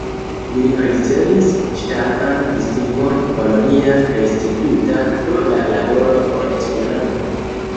Li ricevis ŝtatan distingon "Polonia Restituta" pro la laboro por Esperanto.